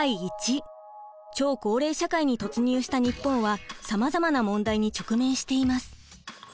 超高齢社会に突入した日本はさまざまな問題に直面しています。